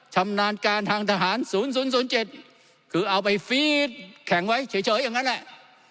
ชำนาญการทางทหาร๐๐๗คือเอาไปฟีดแข็งไว้เฉยอย่างนั้นแหละ